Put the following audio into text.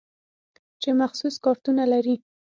چې مخصوص کارتونه لري.